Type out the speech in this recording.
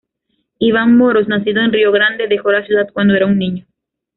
Iván Moros, nacido en Río Grande, dejó la ciudad cuando era un niño.